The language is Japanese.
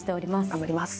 頑張ります。